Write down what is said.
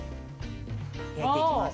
焼いていきます。